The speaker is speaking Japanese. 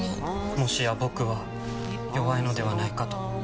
もしや僕は弱いのではないかと。